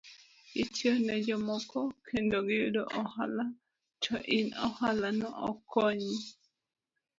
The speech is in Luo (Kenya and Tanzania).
Itiyo ne jomoko kendo giyudo ohala to in ohala no ok konyi.